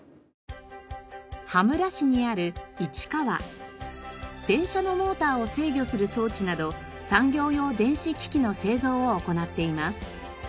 羽村市にある電車のモーターを制御する装置など産業用電子機器の製造を行っています。